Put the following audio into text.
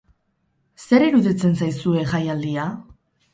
Zer iruditzen zaizue jaialdia?